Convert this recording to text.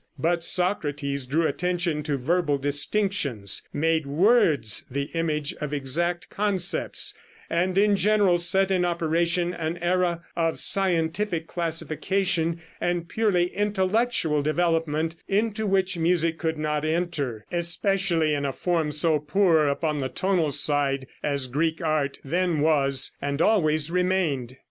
But Socrates drew attention to verbal distinctions, made words the image of exact concepts, and in general set in operation an era of scientific classification and purely intellectual development, into which music could not enter, especially in a form so poor upon the tonal side as Greek art then was, and always remained.